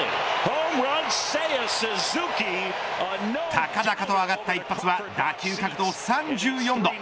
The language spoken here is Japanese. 高々と上がった一発は打球角度３４度。